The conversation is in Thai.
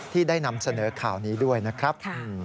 ที่ได้นำเสนอข่าวนี้ด้วยนะครับ